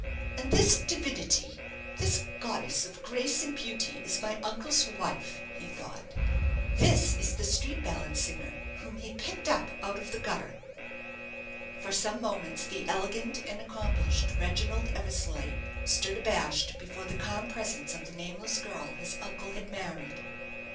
"And this divinity this goddess of grace and beauty, is my uncle's wife," he thought; "this is the street ballad singer whom he picked up out of the gutter." For some moments the elegant and accomplished Reginald Eversleigh stood abashed before the calm presence of the nameless girl his uncle had married.